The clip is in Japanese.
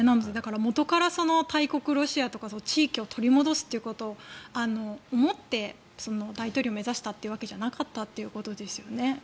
元から大国ロシアとか地域を取り戻すということを思って大統領を目指したというわけではなかったということですよね。